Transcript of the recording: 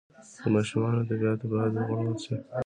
د ماشومانو ادبیات باید وغوړول سي.